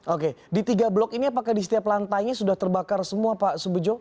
oke di tiga blok ini apakah di setiap lantainya sudah terbakar semua pak subejo